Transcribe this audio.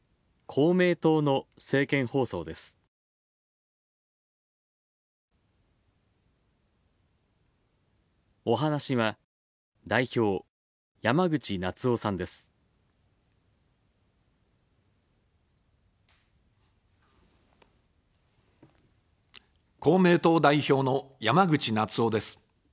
公明党代表の山口那津男です。